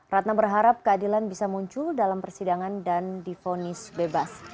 ratna berharap keadilan bisa muncul dalam persidangan dan difonis bebas